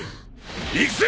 行くぜ！